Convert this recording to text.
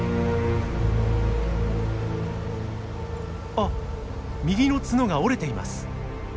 あっ右の角が折れています！